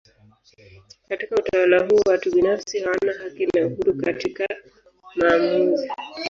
Katika utawala huu watu binafsi hawana haki na uhuru katika maamuzi.